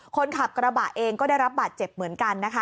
คนขับกระบะเองก็ได้รับบาดเจ็บเหมือนกันนะคะ